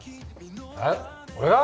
えっ俺が？